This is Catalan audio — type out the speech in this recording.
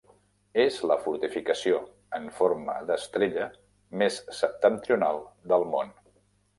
És la fortificació en forma d'estrella més septentrional del món.